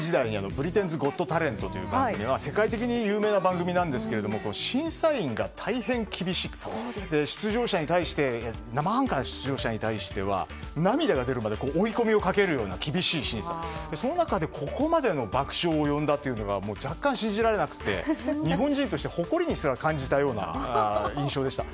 「ブリテンズゴッドタレント」という番組は世界的に有名な番組ですが審査員が大変厳しくて出場者に対しては涙が出るまで追い込みをかけるくらい厳しいしその中でここまでの爆笑を呼んだのが日本人として誇りに感じた印象でした。